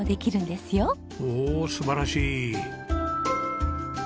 おお素晴らしい。